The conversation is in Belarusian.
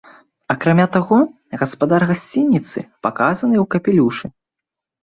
Акрамя таго, гаспадар гасцініцы паказаны ў капелюшы.